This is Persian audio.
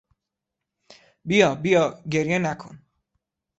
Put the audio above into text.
بیا، بیا، گریه نکن!